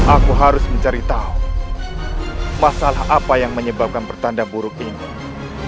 aku harus mencari tahu masalah apa yang menyebabkan pertanda buruk ini